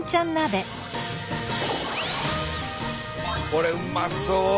これうまそう！